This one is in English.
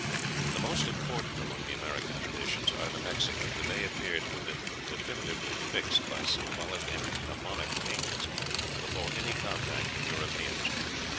"The most important among the American traditions are the Mexican, for they appear to have been definitively fixed by symbolic and mnemonic paintings before any contact with Europeans.